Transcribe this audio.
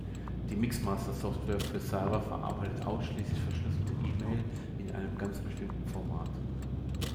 Die Mixmaster-Software für Server verarbeitet ausschließlich verschlüsselte E-Mail in einem ganz bestimmten Format.